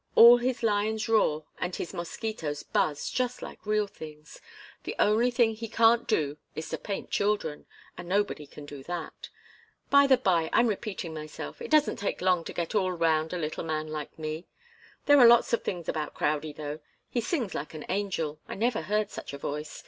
All his lions roar and all his mosquitoes buzz, just like real things. The only thing he can't do is to paint children, and nobody can do that. By the bye, I'm repeating myself. It doesn't take long to get all round a little man like me. There are lots of things about Crowdie, though. He sings like an angel. I never heard such a voice.